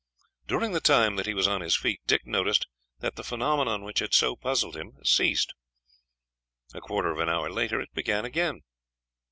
During the time that he was on his feet, Dick noticed that the phenomenon which had so puzzled him ceased. A quarter of an hour later it began again.